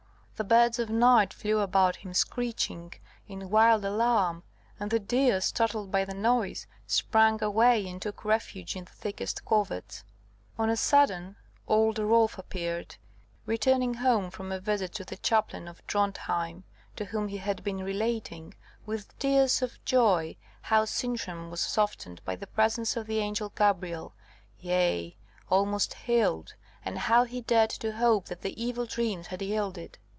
The birds of night flew about him screeching in wild alarm; and the deer, startled by the noise, sprang away and took refuge in the thickest coverts. On a sudden old Rolf appeared, returning home from a visit to the chaplain of Drontheim, to whom he had been relating, with tears of joy, how Sintram was softened by the presence of the angel Gabrielle, yea, almost healed, and how he dared to hope that the evil dreams had yielded.